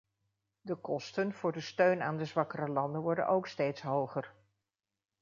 De kosten voor de steun aan de zwakkere landen worden ook steeds hoger.